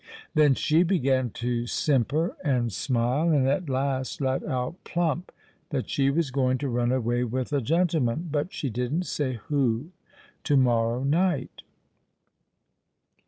Then she began to simper and smile, and at last let out plump that she was going to run away with a gentleman—but she didn't say who—to morrow night."